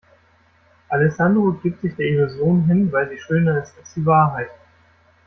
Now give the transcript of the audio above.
Alessandro gibt sich der Illusion hin, weil sie schöner ist als die Wahrheit.